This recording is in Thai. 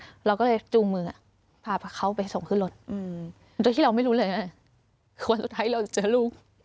อะไรบ้างเลยชูมือพาเขาไปส่งขึ้นรถด้วยที่เราไม่รู้